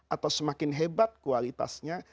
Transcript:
atau semakin hebat kualitasnya